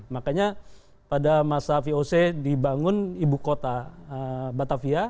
makanya pada masa voc dibangun ibu kota batavia